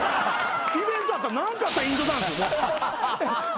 イベントあったら何かあったらインドダンス。